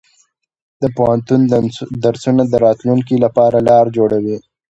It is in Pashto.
د پوهنتون درسونه د راتلونکي لپاره لار جوړوي.